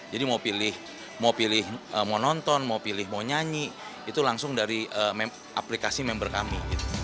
jadi mau pilih mau nonton mau nyanyi itu langsung dari aplikasi member kami